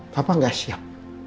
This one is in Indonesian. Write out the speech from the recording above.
papa gak siap